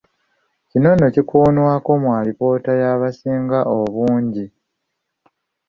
Kino nno kikoonwako mu alipoota y’abasinga obungi.